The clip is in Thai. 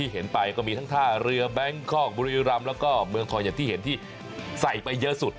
เห็นไปก็มีทั้งท่าเรือแบงคอกบุรีรำแล้วก็เมืองทองอย่างที่เห็นที่ใส่ไปเยอะสุด